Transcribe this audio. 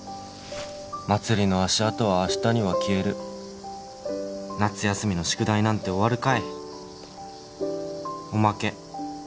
「祭りの足跡は明日には消える」「夏休みの宿題なんて終わるかい」「おまけ」